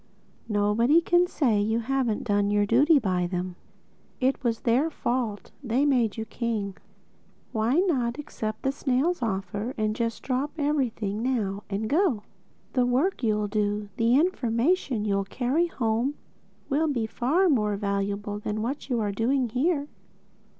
Nobody can say you haven't done your duty by them. It was their fault: they made you king. Why not accept the snail's offer; and just drop everything now, and go? The work you'll do, the information you'll carry home, will be of far more value than what you're doing here."